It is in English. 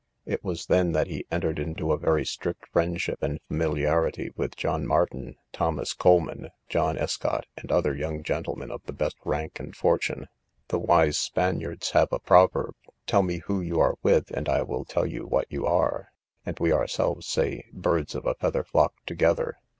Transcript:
It was then that he entered into a very strict friendship and familiarity with John Martin, Thomas Coleman, John Escott, and other young gentlemen of the best rank and fortune. The wise Spaniards have a proverb, Tell me who you are with, and I will tell you what you are; and we ourselves say, Birds of a feather flock together.